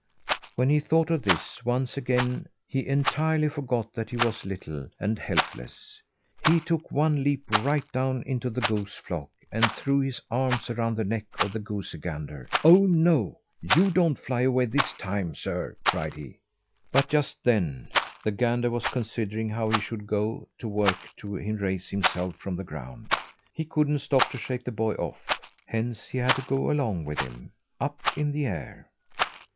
When he thought of this, once again he entirely forgot that he was little and helpless. He took one leap right down into the goose flock, and threw his arms around the neck of the goosey gander. "Oh, no! You don't fly away this time, sir!" cried he. But just about then, the gander was considering how he should go to work to raise himself from the ground. He couldn't stop to shake the boy off, hence he had to go along with him up in the air.